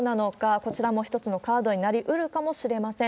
こちらも一つのカードになりうるかもしれません。